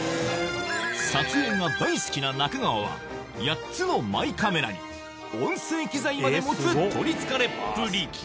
撮影が大好きな中川は８つのマイカメラに音声機材まで持つ取り憑かれっぷり